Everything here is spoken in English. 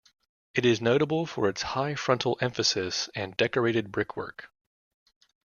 It is notable for its high frontal emphasis and decorated brickwork.